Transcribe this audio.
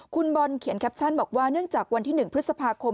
คุณบอลเขียนแคปชั่นบอกว่าเนื่องจากวันที่๑พฤษภาคม